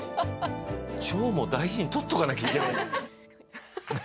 腸も大事に取っておかなきゃいけない。